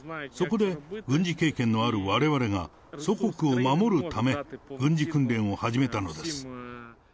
そこで、軍事経験のあるわれわれが、祖国を守るため、軍事訓練を始めたのです。